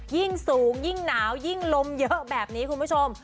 ยิ่งสูงยิ่งหนาวยิ่งลมเยอะแบบนี้คุณผู้ชม